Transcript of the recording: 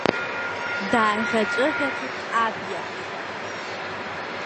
Дааӷьаҵәы-ӷьаҵәит абиаҳәшьа.